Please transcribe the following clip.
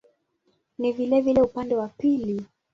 Ni vilevile upande wa pili.